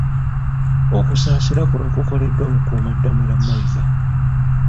Okusaasira kuno kukoleddwa Mukuumaddamula Mayiga .